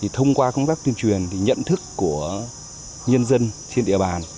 thông qua công tác tuyên truyền thì nhận thức của nhân dân trên địa bàn